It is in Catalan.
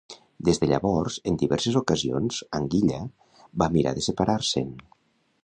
Des de llavors, en diverses ocasions Anguilla va mirar de separar-se'n.